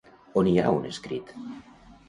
On hi ha un escrit?